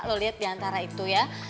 lo liat diantara itu ya